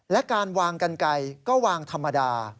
และการวางกันไก่ก็วางธรรมดา